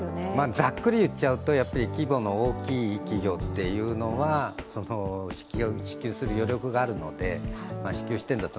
ざっくりいっちゃうと大きい企業というのは支給する余力があるので支給しているのだと。